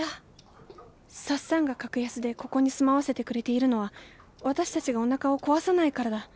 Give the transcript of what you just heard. サッサンが格安でここに住まわせてくれているのは私たちがおなかを壊さないからだ。